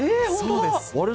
そうです